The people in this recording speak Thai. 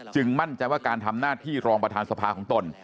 มั่นใจว่าการทำหน้าที่รองประธานสภาของตน